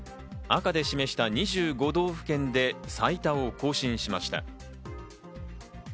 赤で示した道府県で最多を更新しました。